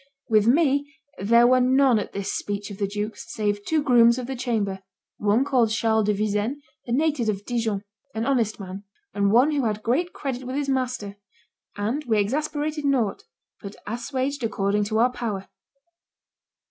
With me was there none at this speech of the duke's, save two grooms of the chamber, one called Charles de Visen, a native of Dijon, an honest man, and one who had great credit with his master; and we exasperated nought, but assuaged according to our power."